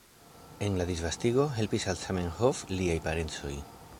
En la disvastigo helpis al Zamenhof liaj parencoj.